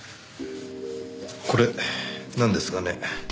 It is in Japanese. これなんですがね。